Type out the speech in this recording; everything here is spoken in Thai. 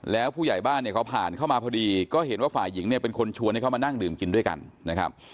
แล้วผู้ใหญ่บ้านเนี่ยเขาผ่านเข้ามาพอดีก็เห็นว่าฝ่ายหญิงเนี่ยเป็นคนชวนให้เขามานั่งดื่มกินด้วยกันนะครับ